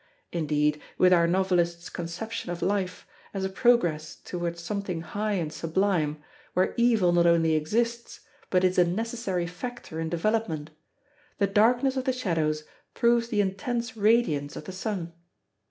Indeed, with our novelist's conception of life, as a progress toward something high and sublime, where evil not only exists, but is a necessary factor in development, the darkness of the shadows proves the intense radiance of the sun.